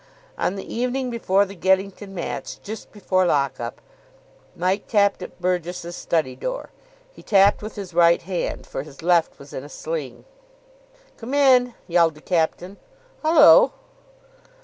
On the evening before the Geddington match, just before lock up, Mike tapped at Burgess's study door. He tapped with his right hand, for his left was in a sling. "Come in!" yelled the captain. "Hullo!"